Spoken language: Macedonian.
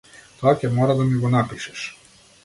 Тоа ќе мора да ми го напишеш.